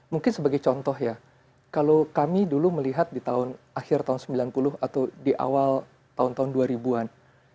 mungkin sebagai contoh ya kalau kami dulu melihat di akhir tahun sembilan puluh atau di awal tahun tahun dua ribu an